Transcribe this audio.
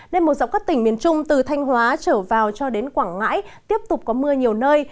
nên một dọc các tỉnh miền trung từ thanh hóa trở vào cho đến quảng ngãi tiếp tục có mưa nhiều nơi